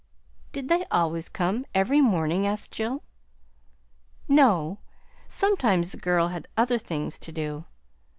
"Did they always come, every morning?" Asked Jill. "No; sometimes the girl had other things to do.